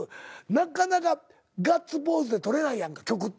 なかなかガッツポーズってとれないやんか曲って。